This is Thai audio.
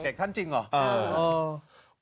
ท่านจริงเหรอ